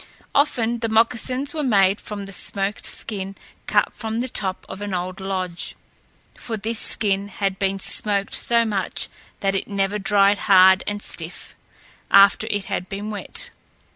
Often the moccasins were made from the smoked skin cut from the top of an old lodge, for this skin had been smoked so much that it never dried hard and stiff, after it had been wet.